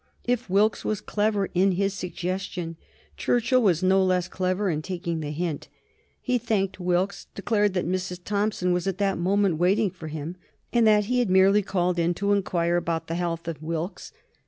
If Wilkes was clever in his suggestion Churchill was no less clever in taking the hint. He thanked Wilkes, declared that Mrs. Thompson was at that moment waiting for him, and that he had merely called in to inquire after the health of Wilkes.